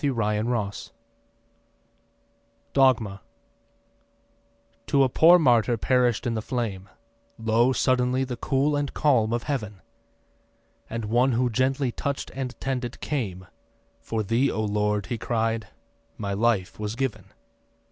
DOGMA To a poor martyr perisht in the flame Lo suddenly the cool and calm of Heaven, And One who gently touch'd and tended, came. 'For thee, O Lord,' he cried, 'my life was given.